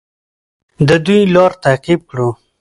د دوی لار تعقیب کړو.